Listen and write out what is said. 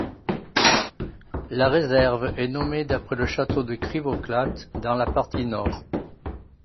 La réserve est nommée d'après le château de Křivoklát dans la partie nord.